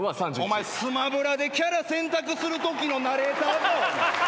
お前『スマブラ』でキャラ選択するときのナレーターか！